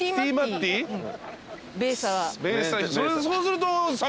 そうすると。